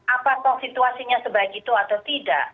apakah situasinya sebaik itu atau tidak